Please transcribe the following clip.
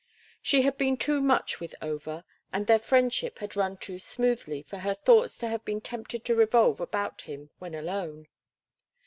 She had been too much with Over, and their friendship had run too smoothly for her thoughts to have been tempted to revolve about him when alone.